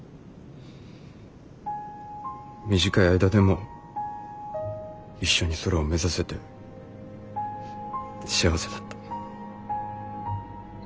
短い間でも一緒に空を目指せて幸せだった。